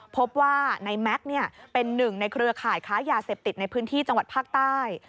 พบว่าในแม็กซ์เป็นหนึ่งในเครือข่ายค้ายาเสพติดในพื้นที่จังหวัดภาคใต้